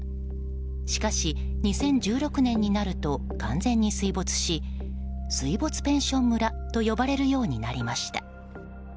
しかし２０１６年になると完全に水没し水没ペンション村と呼ばれるようになりました。